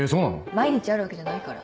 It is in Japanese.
毎日あるわけじゃないから。